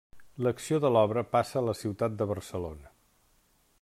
L'acció de l'obra passa a la ciutat de Barcelona.